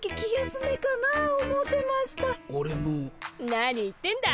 何言ってんだ。